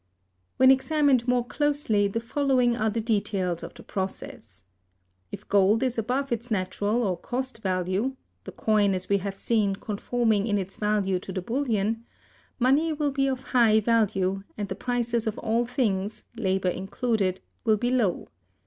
When examined more closely, the following are the details of the process: If gold is above its natural or cost value—the coin, as we have seen, conforming in its value to the bullion—money will be of high value, and the prices of all things, labor included, will be low.